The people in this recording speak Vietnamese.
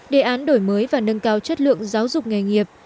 đề án đổi mới và nâng cao chất lượng giáo dục nghề nghiệp